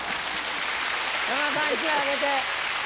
山田さん１枚あげて。